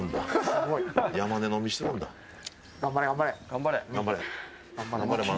頑張れ！